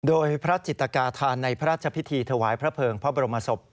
โดยพระจิตกาธานในพระราชพิธีถวายพระเภิงพระบรมศพ